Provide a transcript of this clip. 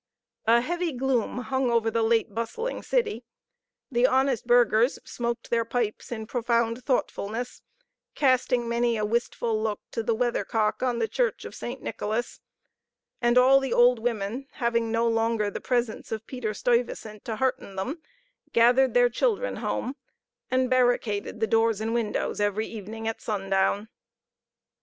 A heavy gloom hung over the late bustling city; the honest burghers smoked their pipes in profound thoughtfulness, casting many a wistful look to the weathercock on the church of St. Nicholas; and all the old women, having no longer the presence of Peter Stuyvesant to hearten them, gathered their children home, and barricaded the doors and windows every evening at sun down.